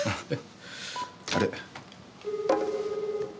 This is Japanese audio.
あれ。